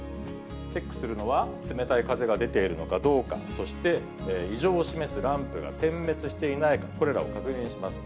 チェックするのは、冷たい風が出ているのかどうか、そして異常を示すランプが点滅していないか、これらを確認します。